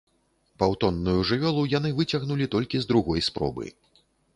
Паўтонную жывёлу яны выцягнулі толькі з другой спробы.